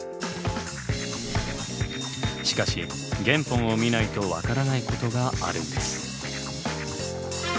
しかし原本を見ないと分からないことがあるんです。